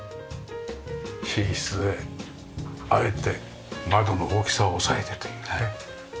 寝室であえて窓の大きさを抑えてというね。